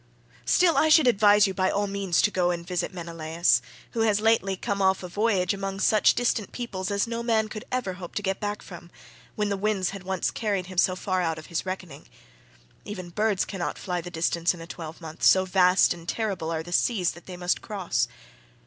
Still, I should advise you by all means to go and visit Menelaus, who has lately come off a voyage among such distant peoples as no man could ever hope to get back from, when the winds had once carried him so far out of his reckoning; even birds cannot fly the distance in a twelve month, so vast and terrible are the seas that they must cross.